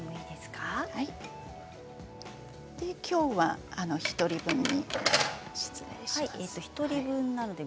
きょうは１人分で。